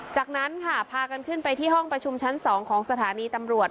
จากนั้นค่ะพากันขึ้นไปที่ห้องประชุมชั้น๒ของสถานีตำรวจ